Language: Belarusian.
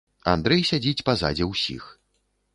Андрэй сядзіць пазадзе ўсіх.